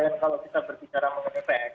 dan kalau kita berbicara mengenai pad